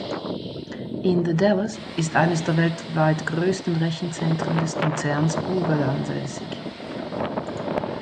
In The Dalles ist eines der weltweit größten Rechenzentren des Konzerns Google ansässig.